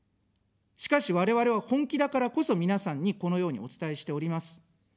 しかし我々は本気だからこそ皆さんにこのようにお伝えしております。